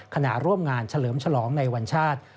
ขณะร่วมงานเฉลิมฉลองในวันชาติ